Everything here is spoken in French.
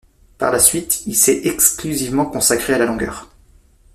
Par la suite il s'est exclusivement consacré à la longueur.